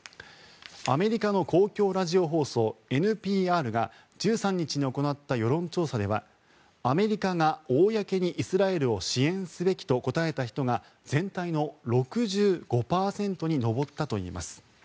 アメリカの公共ラジオ放送ＮＰＲが１３日に行った世論調査ではアメリカが公にイスラエルを支援すべきと答えた人が全体の６５％に上ったといいます。